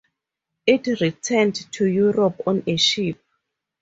It returned to Europe on a ship.